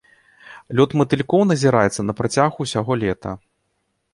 Лёт матылькоў назіраецца на працягу ўсяго лета.